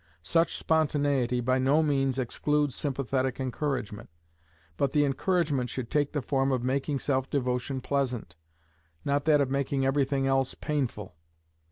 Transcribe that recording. Such spontaneity by no means excludes sympathetic encouragement; but the encouragement should take the form of making self devotion pleasant, not that of making everything else painful.